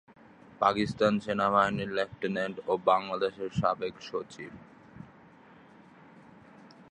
পাকিস্তান সেনাবাহিনীর লেফটেন্যান্ট ও বাংলাদেশের সাবেক সচিব।